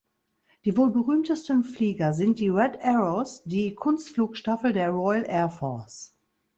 Die wohl berühmtesten Flieger sind die "Red Arrows", die Kunstflugstaffel der Royal Air Force.